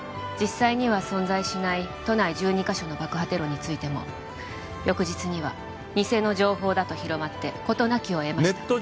実際には存在しない都内１２カ所の爆破テロについても翌日にはニセの情報だと広まって事なきを得ました